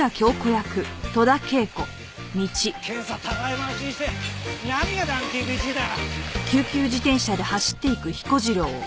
検査たらい回しにして何がランキング１位だ！